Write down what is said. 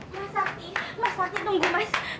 mas sakti tunggu mas